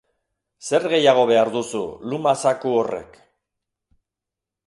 Zer gehiago behar duzu, luma zaku horrek?